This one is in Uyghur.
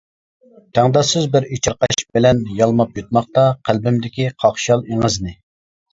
تەڭداشسىز بىر ئېچىرقاش بىلەن يالماپ يۇتماقتا قەلبىمدىكى قاقشال ئېڭىزنى.